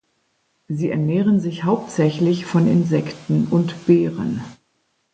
Sie ernähren sich hauptsächlich von Insekten und Beeren.